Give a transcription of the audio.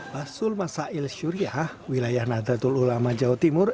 batsul masail syuriah wilayah nahdlatul ulama jawa timur